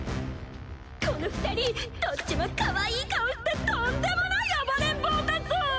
この２人どっちもかわいい顔してとんでもない暴れん坊だぞ！